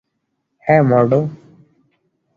হ্যাঁ, মর্ডো।